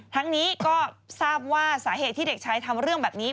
ทั้งนี้ก็ทราบว่าสาเหตุที่เด็กชายทำเรื่องแบบนี้